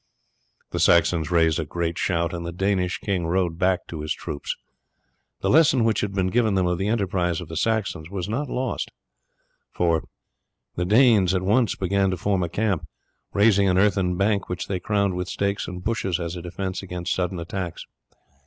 The Saxons raised a great shout, and the Danish king rode back to his troops. The lesson which had been given them of the enterprise of the Saxons was not lost, for the Danes at once began to form a camp, raising an earthen bank which they crowned with stakes and bushes as a defence against sudden attacks.